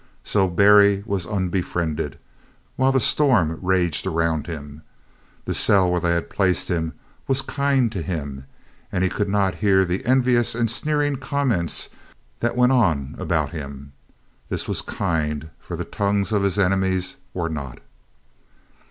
So Berry was unbefriended while the storm raged around him. The cell where they had placed him was kind to him, and he could not hear the envious and sneering comments that went on about him. This was kind, for the tongues of his enemies were not.